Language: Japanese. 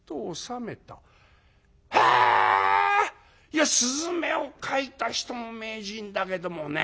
いや雀を描いた人も名人だけどもね